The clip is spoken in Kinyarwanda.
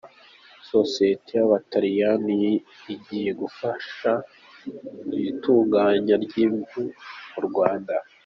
Sosiyete y’Abataliyani igiye gufasha mu itunganywa ry’impu mu Rwanda